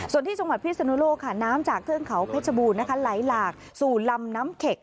ส่วนที่จังหวัดพิศนุโลกค่ะน้ำจากเทือกเขาเพชรบูรณ์นะคะไหลหลากสู่ลำน้ำเข็ก